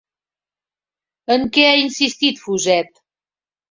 En què ha insistit Fuset?